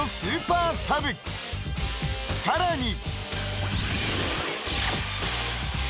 ［さらに］